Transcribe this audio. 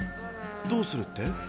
「どうする」って？